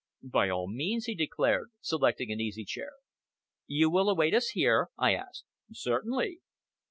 "By all means," he declared, selecting an easy chair. "You will await us here?" I asked. "Certainly!"